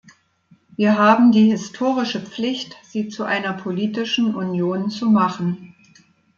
Wir haben die historische Pflicht, sie zu einer politischen Union zu machen.